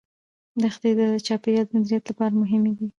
دښتې د چاپیریال مدیریت لپاره مهمې دي.